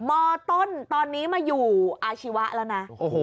มต้นตอนนี้มาอยู่อาชีวะแล้วนะ